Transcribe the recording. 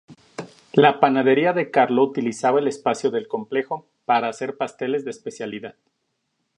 La panadería de Carlo utilizaba el espacio del complejo, para hacer pasteles de especialidad.